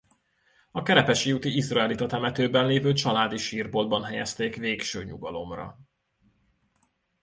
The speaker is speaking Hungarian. A Kerepesi úti izraelita temetőben lévő családi sírboltban helyezték végső nyugalomra.